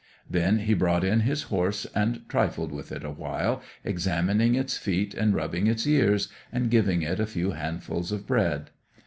Then he brought in his horse and trifled with it a while, examining its feet, and rubbing its ears, and giving it a few handfuls of bread.